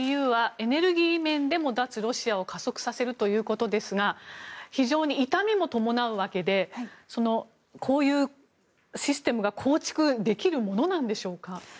ＥＵはエネルギー面でも脱ロシアを加速させるということですが非常に痛みも伴うわけでこういうシステムが構築できるものなんでしょうか。